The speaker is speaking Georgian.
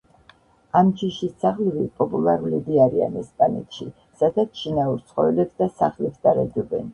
ამ ჯიშის ძაღლები პოპულარულები არიან ესპანეთში, სადაც შინაურ ცხოველებს და სახლებს დარაჯობენ.